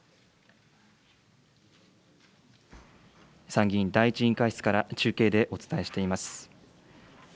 参議院第１委員会室から中継でお伝えしています。